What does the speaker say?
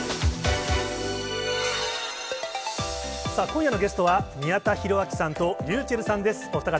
今夜のゲストは、宮田裕章さんとｒｙｕｃｈｅｌｌさんです。